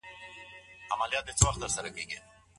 ایا مسلکي بڼوال وچ توت پلوري؟